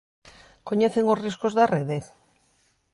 Coñecen os riscos da rede?